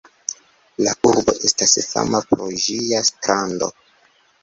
La urbo estas fama pro ĝia strando.